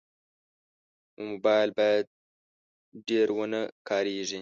موبایل باید ډېر ونه کارېږي.